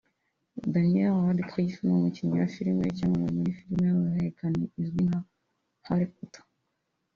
Daniel Radcliffe ni umukinnyi wa film w’icyamamare muri filime y’uruhererekane izwi nka Harry Potter